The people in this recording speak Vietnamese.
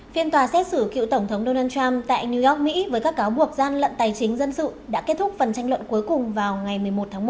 phiên tòa xét xử cựu tổng thống donald trump tại new york mỹ với các cáo buộc gian lận tài chính dân sự đã kết thúc phần tranh luận cuối cùng vào ngày một mươi một tháng một